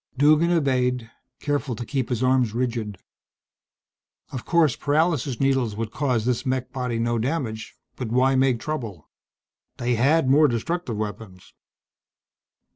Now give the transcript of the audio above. Duggan obeyed, careful to keep his arms rigid. Of course paralysis needles would cause this mech body no damage, but why make trouble? They had more destructive weapons.